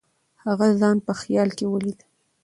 هغه ځان په خیال کې ولید.